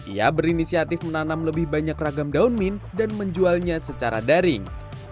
ia berinisiatif menanam lebih banyak ragam daun min dan menjualnya secara daring